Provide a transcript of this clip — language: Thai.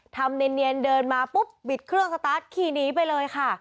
ทำเนียนเดินมาปุ๊บบิดเครื่องสตาร์ทขี่หนีไปเลยค่ะ